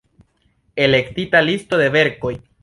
Elektita listo de verkoj.